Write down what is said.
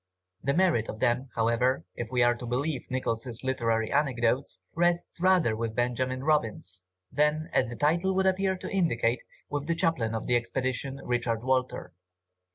The merit of them, however, if we are to believe Nichols' Literary anecdotes, rests rather with Benjamin Robins, than, as the title would appear to indicate, with the chaplain of the expedition, Richard Walter.